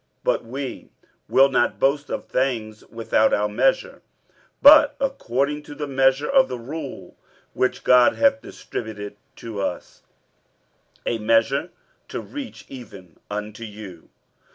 47:010:013 But we will not boast of things without our measure, but according to the measure of the rule which God hath distributed to us, a measure to reach even unto you.